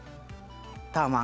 タワマン。